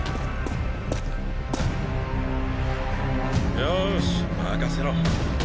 よし任せろ。